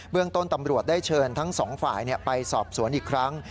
เรื่องต้นตำรวจได้เชิญทั้งสองฝ่ายไปสอบสวนอีกครั้ง